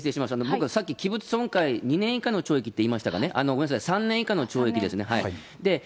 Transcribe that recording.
僕はさっき、器物損壊、２年以下の懲役って言いましたかね、ごめんなさい、３年以下の懲役ですね。